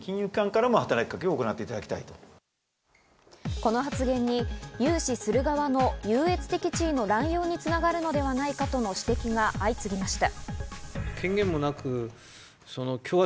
この発言に融資する側の優越的地位の乱用に繋がるのではないかとの指摘が相次ぎました。